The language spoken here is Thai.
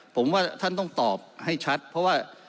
ผมว่าท่านต้องตอบให้ชัดเพราะว่า